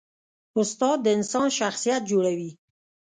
استاد د انسان شخصیت جوړوي.